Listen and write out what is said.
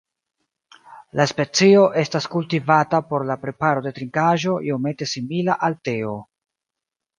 La specio estas kultivata por la preparo de trinkaĵo iomete simila al teo.